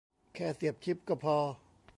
แค่เสียบชิปก็พอ